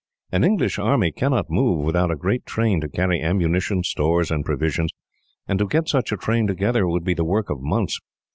An English army cannot move without a great train to carry ammunition, stores and provisions; and to get such a train together would be the work of months.